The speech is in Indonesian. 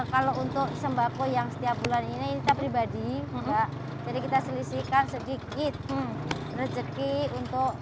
kalau untuk sembako yang setiap bulan ini kita pribadi jadi kita selisihkan sedikit rezeki untuk